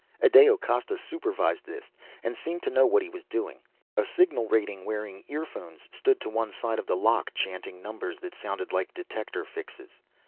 Adao Costa supervised this and seemed to know what he was doing. A signal rating wearing earphones stood to one side of the lock chanting numbers that sounded like detector fixes.